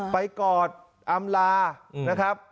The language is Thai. ไปก่อนอำลา